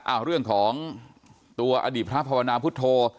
เรื่องของตัวอดีตพระภาวนาพุทธโธ